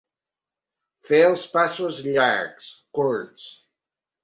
Fer els passos llargs, curts.